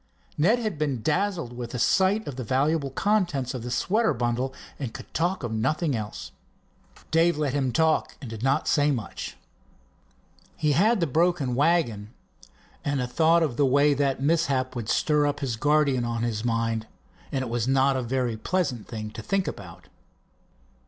Ned had been dazzled with the sight of the valuable contents of the sweater bundle, and could talk of nothing else. Dave let him talk, and did not say much. He had the broken wagon and a thought of the way that mishap would stir up his guardian on his mind, and it was not a very pleasant thing to think about.